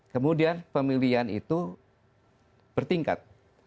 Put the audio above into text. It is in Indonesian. kemudian pemilihan itu bertingkat